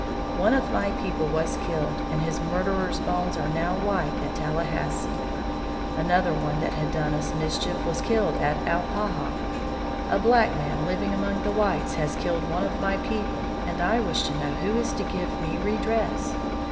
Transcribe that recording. One of my people was killed and his murderer's bones are now white at Tallahassee. Another one that had done us mischief was killed at Alpaha. A black man living among the whites has killed one of my people and I wish to know who is to give me redress.